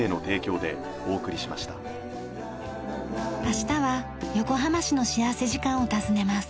明日は横浜市の幸福時間を訪ねます。